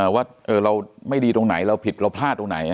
ว่าเราไม่ดีตรงไหนเราผิดเราพลาดตรงไหน